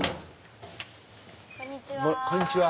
こんにちは。